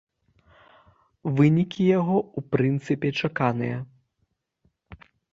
Вынікі яго, у прынцыпе, чаканыя.